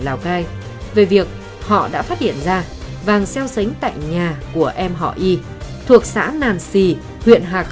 lào cai về việc họ đã phát hiện ra vàng xéo sánh tại nhà của em họ y thuộc xã nàn xì huyện hà khẩu tỉnh văn an trung quốc